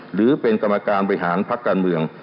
หรือเป็นกรรมการบริหารพักการเมือง